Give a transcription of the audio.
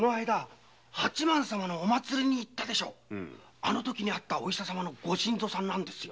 あの時会ったお医者サマのご新造さんなんですよ。